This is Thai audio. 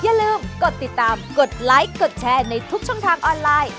อย่าลืมกดติดตามกดไลค์กดแชร์ในทุกช่องทางออนไลน์